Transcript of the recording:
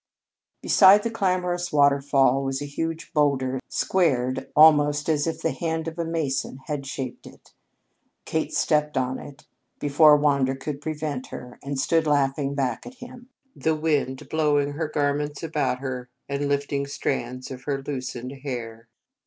Beside the clamorous waterfall was a huge boulder squared almost as if the hand of a mason had shaped it. Kate stepped on it, before Wander could prevent her, and stood laughing back at him, the wind blowing her garments about her and lifting strands of her loosened hair.